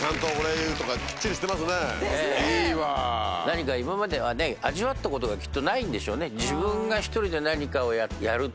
何か今まではね味わったことがきっとないんでしょうね。